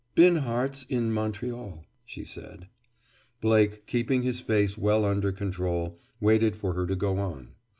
"Binhart's in Montreal," she said. Blake, keeping his face well under control, waited for her to go on.